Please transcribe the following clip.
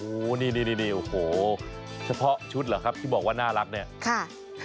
โอ้โหนี่โอ้โหเฉพาะชุดเหรอครับที่บอกว่าน่ารักเนี่ยค่ะ